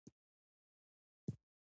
د ښوونځیو د ودی لپاره ځوانان کار کوي.